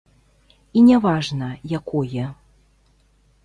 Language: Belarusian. І не важна, якое.